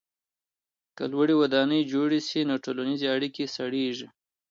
که لوړې ودانۍ جوړې سي نو ټولنیزې اړیکې سړېږي.